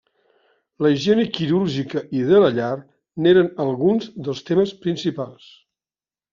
La higiene quirúrgica i de la llar n'eren alguns dels temes principals.